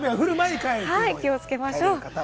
気をつけましょう。